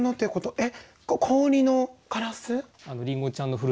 えっ！